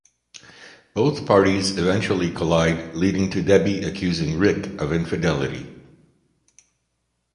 Both parties eventually collide leading to Debbie accusing Rick of infidelity.